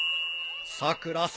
さくらさん？